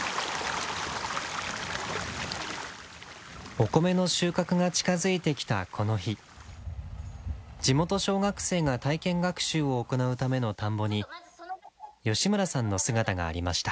お米の収穫が近づいてきたこの日地元小学生が体験学習を行うための田んぼに吉村さんの姿がありました。